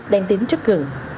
đang đến trước gần